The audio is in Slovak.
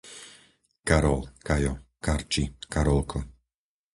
Karol, Kajo, Karči, Karolko